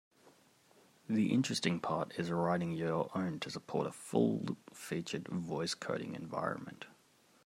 The interesting part is writing your own to support a full-featured voice coding environment.